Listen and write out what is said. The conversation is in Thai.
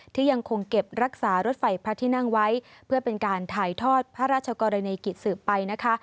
ที่ยังคงเก็บรักษารถไฟพระที่นั่งไว้เพื่อเป็นการถ่ายทอดพระราชกรณีกิจสืบไปนะคะ